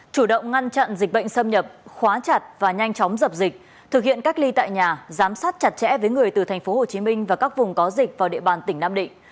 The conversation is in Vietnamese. chủ động ngăn chặn dịch bệnh xâm nhập khóa chặt và nhanh chóng dập dịch thực hiện cách ly tại nhà giám sát chặt chẽ với người từ tp hcm và các vùng có dịch vào địa bàn tỉnh nam định